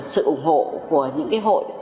sự ủng hộ của những hội